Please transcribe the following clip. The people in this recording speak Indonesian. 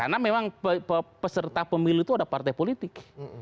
karena memang peserta pemilu itu ada partai politik